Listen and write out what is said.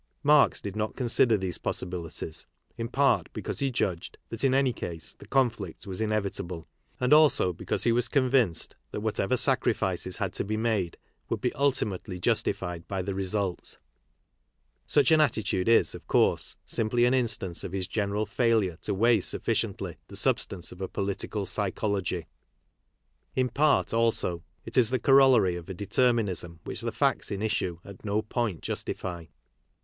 Marx did not consider these possibilities, in part because he judged that, in any case, the conflict was inevitable, and also because he was convinced that whatever sacri fices had to be made would be ultimately justified by the, result. Such an attitude is, of course, simply an instance! of his general failure to weigh sufficiently the substance j of a political psychology. In part, also, it is the corol ' lary of a determinism which the facts in issue at no point, justify.